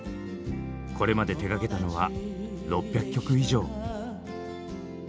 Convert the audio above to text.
これまで手がけたのは６００曲以上。